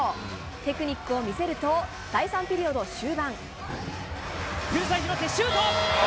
テクニックを見せると、第３ピリオド終盤。